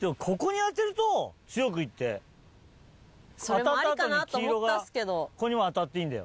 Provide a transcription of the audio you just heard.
当たった後に黄色がここにも当たっていいんだよ。